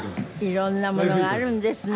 いろんなものがあるんですね。